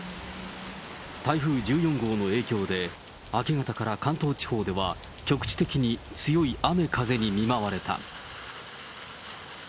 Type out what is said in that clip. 台風１４号の影響で、明け方から関東地方では、局地的に強い雨、風に見舞われた。